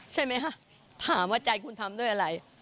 ใช่ไหมคะถามว่าใจคุณทำด้วยอะไร